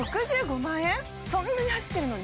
そんなに走ってるのに？